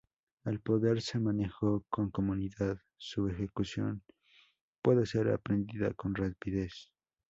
Al poder ser manejado con comodidad, su ejecución puede ser aprendida con rapidez.